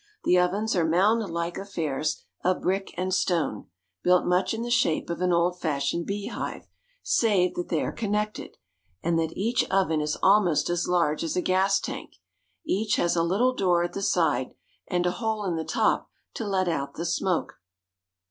The ovens are moundlike affairs of brick and stone, built much in the shape of an old fash ioned beehive, save that they are connected, and that each BURNING COKE. ^19 Coke Ovens. oven is almost as large as a gas tank. Each has a lit tle door at the side, and a hole in the top to let out the smoke.